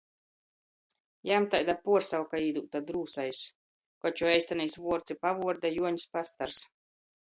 Jam taida puorsauka īdūta – Drūsais, koč juo eistynais vuords i pavuorde Juoņs Pastars.